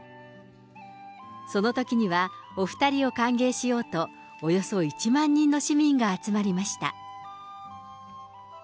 そのときにはお２人を歓迎しようと、およそ１万人の市民が集まりました。